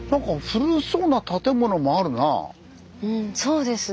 うんそうですね。